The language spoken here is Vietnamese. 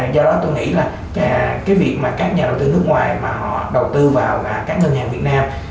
do đó tôi nghĩ là cái việc mà các nhà đầu tư nước ngoài mà họ đầu tư vào các ngân hàng việt nam